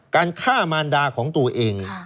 การฆ่ามารดาของตัวเอง